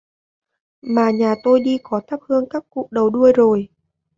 Mà Nhà tôi đi có thắp hương các cụ đầu đuôi rồi